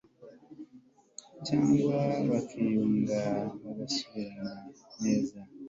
cyangwa bakiyunga bagasubirana neza